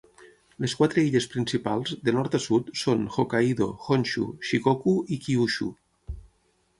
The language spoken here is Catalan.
Les quatre illes principals, de nord a sud, són Hokkaido, Honshu, Shikoku i Kyushu.